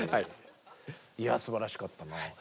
いやすばらしかったな。